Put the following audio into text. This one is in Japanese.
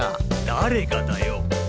誰がだよ。